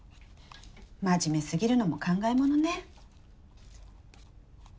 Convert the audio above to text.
真面目すぎるのも考え物ね。